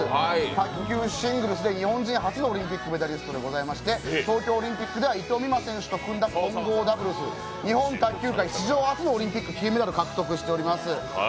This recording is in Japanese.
卓球シングルスで日本人初のオリンピックメダリストでございまして東京オリンピックでは伊藤美誠選手と組んだ混合ダブルスで日本卓球界初のオリンピック金メダルを獲得しております。